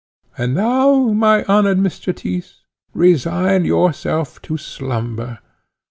And now, my honoured Mr. Tyss, resign yourself to slumber.